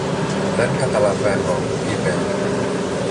Δεν καταλαβαίνω, είπε.